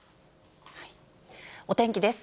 お天気です。